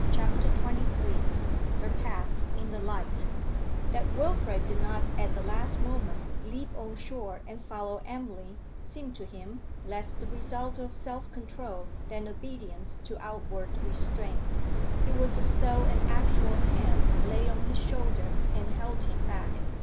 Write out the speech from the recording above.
CHAPTER XXIII HER PATH IN THE LIGHT That Wilfrid did not at the last moment leap on shore and follow Emily seemed to him less the result of self control than obedience to outward restraint; it was as though an actual hand lay on his shoulder and held him back.